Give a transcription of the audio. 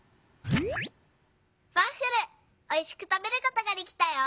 「ワッフルおいしくたべることができたよ！